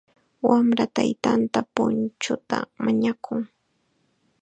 Wamra taytanta punchuta mañakun.